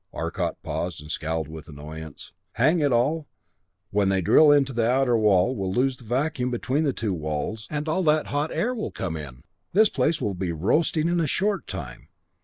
Arcot paused and scowled with annoyance. "Hang it all when they drill into the outer wall, we'll lose the vacuum between the two walls, and all that hot air will come in. This place will be roasting in a short time.